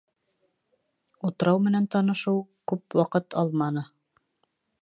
Утрау менән танышыу күп ваҡыт алманы.